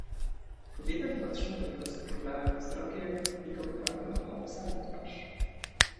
"Kobieta popatrzyła na niego struchlałym wzrokiem i kopnęła go nogą w samą twarz."